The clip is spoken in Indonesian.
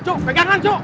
cuk pegangan cuk